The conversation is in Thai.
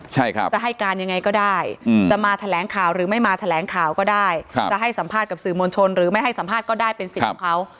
ใช่ครับจะให้การยังไงก็ได้จะมาแถลงข่าวหรือไม่มาแถลงข่าวก็ได้จะให้สัมภาษณ์กับสื่อมวลชนหรือไม่ให้สัมภาษณ์ก็ได้เป็นสิทธิ์ของเขา